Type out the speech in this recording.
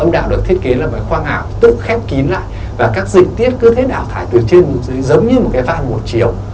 âm đạo được thiết kế là một cái khoang ảo tự khép kín lại và các dịch tiết cứ thế đảo thải từ trên giống như một cái van một chiều